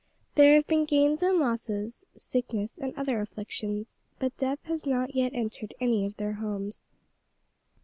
There have been gains and losses, sickness and other afflictions, but death has not yet entered any of their homes.